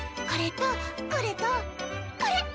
これとこれとこれ。